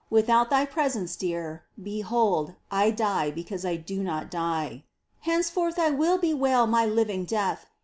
Without Thy presence dear, Behold, I die because I do not die ! Henceforth I will bewail my living death.